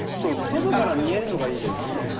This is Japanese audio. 外から見えるのがいいですね。